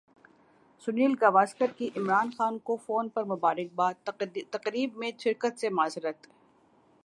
سنیل گواسکر کی عمران خان کو فون پر مبارکبادتقریب میں شرکت سے معذرت